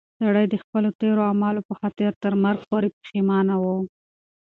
سړی د خپلو تېرو اعمالو په خاطر تر مرګ پورې پښېمانه و.